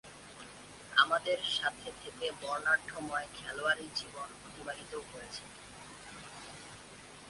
আমাদের সাথে থেকে বর্ণাঢ্যময় খেলোয়াড়ী জীবন অতিবাহিত করেছেন।